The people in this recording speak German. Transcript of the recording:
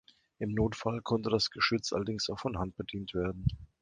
Im Notfall konnte das Geschütz allerdings auch von Hand bedient werden.